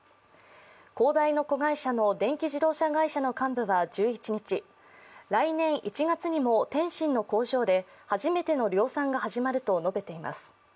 恒大の子会社の電気自動車会社の幹部は１１日、来年１月にも天津の工場で初めての量産が始まると述べています。